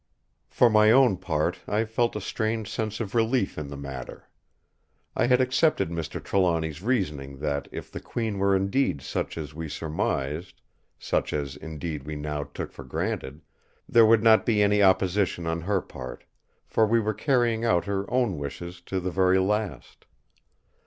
For my own part I felt a strange sense of relief in the matter. I had accepted Mr. Trelawny's reasoning that if the Queen were indeed such as we surmised—such as indeed we now took for granted—there would not be any opposition on her part; for we were carrying out her own wishes to the very last.